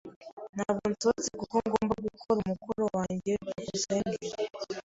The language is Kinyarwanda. Ntabwo nsohotse kuko ngomba gukora umukoro wanjye. byukusenge